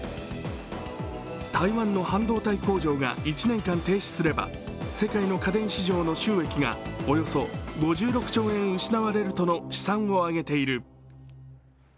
台湾の半導体工場が１年間停止すれば、世界の家電市場の収益がおよそ５６兆円失われるとの試算をあげている。